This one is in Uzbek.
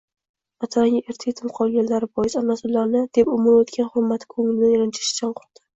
Otadan erta yetim qolganlari bois onasi ularni deb umri oʻtgani hurmati koʻnglini ranjitishdan qoʻrqdi